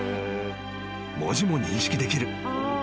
［文字も認識できる］